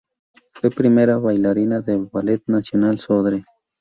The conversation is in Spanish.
Fue primera bailarina del Ballet Nacional Sodre.